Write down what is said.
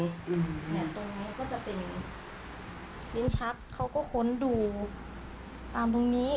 เนี่ยตรงนี้ก็จะเป็นลิ้นชักเขาก็ค้นดูตามตรงนี้